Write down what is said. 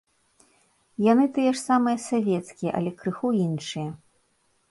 Яны тыя ж самыя савецкія, але крыху іншыя.